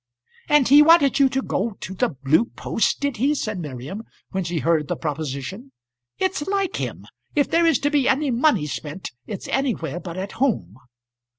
"And he wanted you to go to the Blue Posts, did he?" said Miriam when she heard of the proposition. "It's like him. If there is to be any money spent it's anywhere but at home."